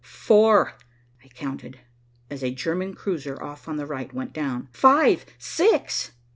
"Four," I counted, as a German cruiser off on the right went down. "Five! six!"